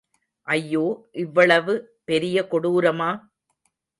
ஐயோ இவ்வளவு பெரிய கொடூரமா?